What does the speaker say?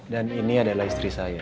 dan ini adalah istri saya